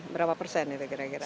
berapa persen itu kira kira